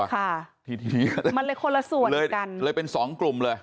ค่ะทีนี้มันเลยคนละส่วนเลยกันเลยเป็นสองกลุ่มเลย